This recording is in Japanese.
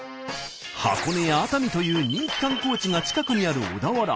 箱根や熱海という人気観光地が近くにある小田原。